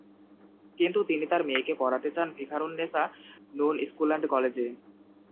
কিন্তু তিনি তাঁর মেয়েকে পড়াতে চান ভিকারুননিসা নূন স্কুল অ্যান্ড কলেজে।